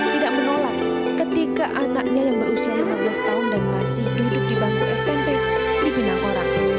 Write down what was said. tidak menolak ketika anaknya yang berusia lima belas tahun dan masih duduk di bangku smp dipinang orang